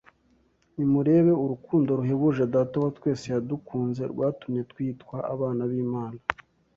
“Nimurebe urukundo ruhebuje Data wa twese yadukunze rwatumye twitwa abana b’Imana